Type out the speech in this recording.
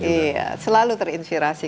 iya selalu terinspirasi